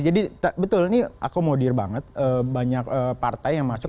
jadi betul ini akomodir banget banyak partai yang masuk